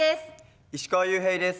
石川裕平です。